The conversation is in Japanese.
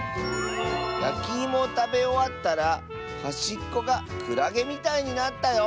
「やきいもをたべおわったらはしっこがクラゲみたいになったよ」。